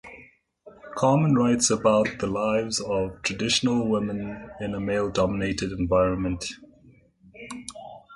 Carmon writes about the lives of traditional women in a male-dominated environment.